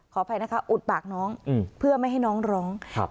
อภัยนะคะอุดปากน้องเพื่อไม่ให้น้องร้อง